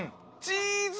チーズ。